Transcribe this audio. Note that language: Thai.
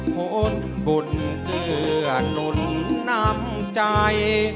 ขนบุญเผื่อนุนนำใจ